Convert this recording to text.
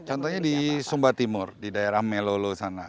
contohnya di sumba timur di daerah melolo sana